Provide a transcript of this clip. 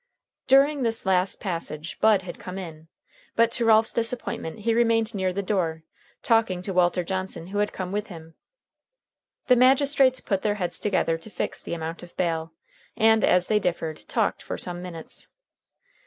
During this last passage Bud had come in, but, to Ralph's disappointment he remained near the door, talking to Walter Johnson, who had come with him. The magistrates put their heads together to fix the amount of bail, and, as they differed, talked for some minutes.